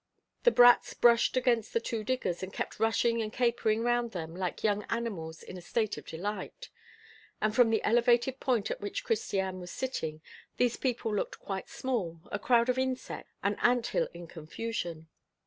The brats brushed against the two diggers, and kept rushing and capering round them like young animals in a state of delight; and from the elevated point at which Christiane was sitting, these people looked quite small, a crowd of insects, an anthill in confusion.